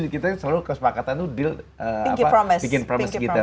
kita selalu kesepakatan itu deal